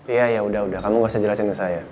iya yaudah udah kamu gak usah jelasin ke saya